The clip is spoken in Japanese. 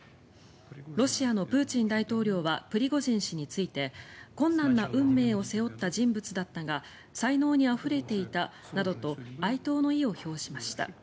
ロシアのプーチン大統領はプリゴジン氏について困難な運命を背負った人物だったが才能にあふれていたなどと哀悼の意を表しました。